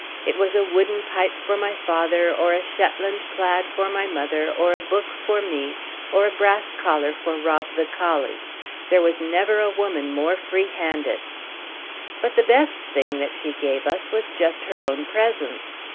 It was a wooden pipe for my father, or a Shetland plaid for my mother, or a book for me, or a brass collar for Rob the collie. There was never a woman more free handed. But the best thing that she gave us was just her own presence.